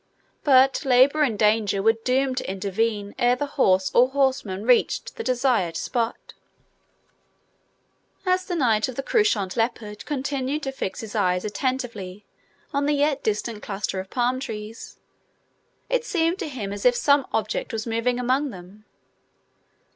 But labour and danger were doomed to intervene ere the horse or horseman reached the desired spot. As the Knight of the Couchant Leopard continued to fix his eyes attentively on the yet distant cluster of palm trees, it seemed to him as if some object was moving among them.